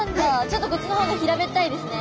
ちょっとこっちの方が平べったいですね。